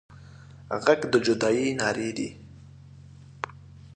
غږ د جدايي نارې دي